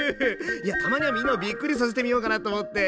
いやたまにはみんなをびっくりさせてみようかなと思って。